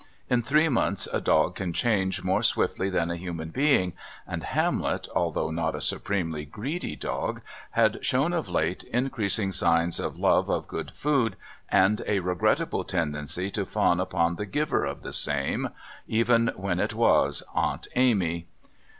In three months a dog can change more swiftly than a human being, and Hamlet, although not a supremely greedy dog, had shown of late increasing signs of a love of good food, and a regrettable tendency to fawn upon the giver of the same, even when it was Aunt Amy.